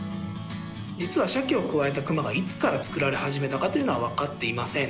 実はシャケをくわえた熊がいつから作られ始めたかというのは分かっていません。